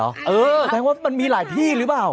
แสดงว่ามันมีหลายที่หรือเปล่า